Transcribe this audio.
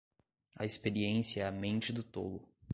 A experiência é a mente do tolo.